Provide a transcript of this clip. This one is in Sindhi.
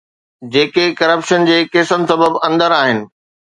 جيڪي ڪرپشن جي ڪيسن سبب اندر آهن.